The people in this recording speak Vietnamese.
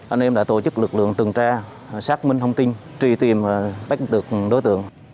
anh em đã tổ chức lực lượng từng tra xác minh thông tin truy tìm và bắt được đối tượng